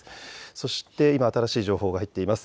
そして今、新しい情報が入っています。